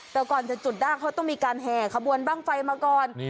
แต่ก่อนจะจุดได้เขาต้องมีการแห่ขบวนบ้างไฟมาก่อน